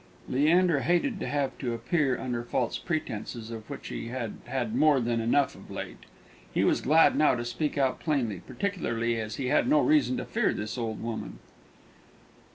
Leander hated to have to appear under false pretences, of which he had had more than enough of late. He was glad now to speak out plainly, particularly as he had no reason to fear this old woman.